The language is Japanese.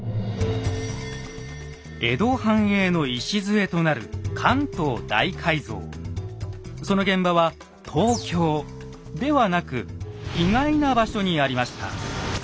江戸繁栄の礎となるその現場は東京ではなく意外な場所にありました。